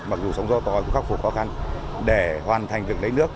mặc dù sóng gió to cũng khắc phục khó khăn để hoàn thành việc lấy nước